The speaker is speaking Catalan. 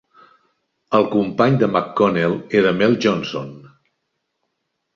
El company de McConnell era Mel Johnson.